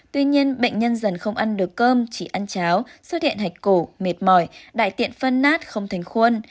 tuy nhiên bệnh nhân dần không ăn được cơm chỉ ăn cháo xuất hiện hạch cổ mệt mỏi đại tiện phân nát không thành khuôn